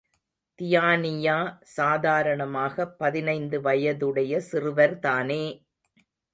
தியானியா சாதாரணமாகப் பதினைந்து வயதுடைய சிறுவர்தானே!